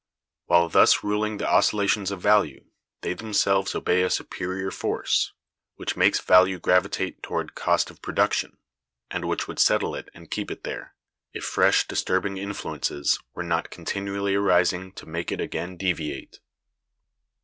While thus ruling the oscillations of value, they themselves obey a superior force, which makes value gravitate toward Cost of Production, and which would settle it and keep it there, if fresh disturbing influences were not continually arising to make it again deviate.